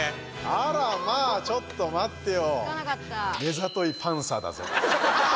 あらまあ、ちょっと待ってよ。